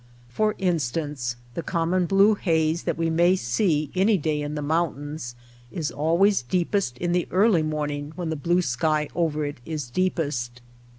For instance, the common blue haze that we may see any day in the moun tains, is always deepest in the early morning when the blue sky over it is deepest.